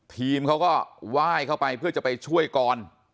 ทีมเขาก็ไหว้เข้าไปเพื่อจะไปช่วยกร